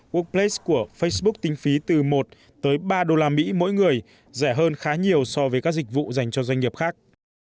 workplace của facebook tính phí từ một tới ba đô la mỹ mỗi người rẻ hơn khá nhiều so với các dịch vụ dành cho doanh nghiệp khác